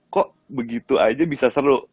kok begitu aja bisa seru